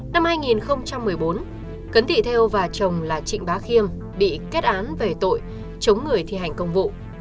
năm hai nghìn một mươi bốn cấn thị theo và chồng là trịnh bá khiêm bị kết án về tội chống người thi hành công vụ